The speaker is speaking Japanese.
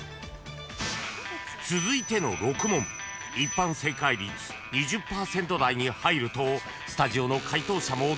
［続いての６問一般正解率２０％台に入るとスタジオの解答者も大苦戦］